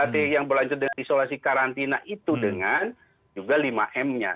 berarti yang berlanjut dengan isolasi karantina itu dengan juga lima m nya